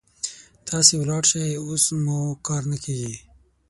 تاسې ولاړ شئ، اوس مو کار نه کيږي.